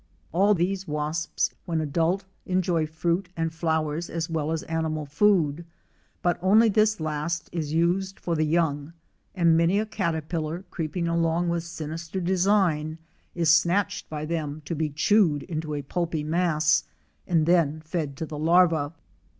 All these wasps, when adult, enjoy fruit and flowers as well as animal food; but only this last is used for the young, and many a caterpillar creeping along with sinister design is snatched by them to be chewed into a pulpy mass, and then fed to the larvae.